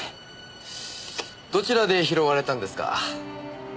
どちらで拾われたんですか？